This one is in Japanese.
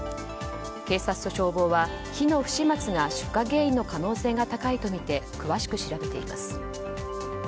警察と消防は火の不始末が出火原因の可能性が高いとみて詳しく調べています。